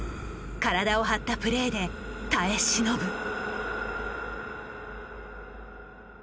体を張ったプレーで耐え忍ぶ。